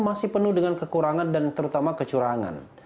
masih penuh dengan kekurangan dan terutama kecurangan